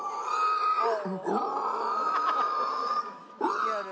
リアル。